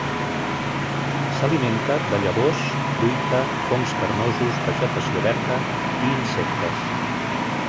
S'alimenta de llavors, fruita, fongs carnosos, vegetació verda i insectes.